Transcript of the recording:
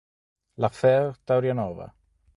L"'affaire" Taurianova".